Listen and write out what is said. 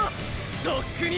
とっくに！！